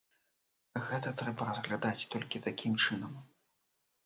Гэта трэба разглядаць толькі такім чынам.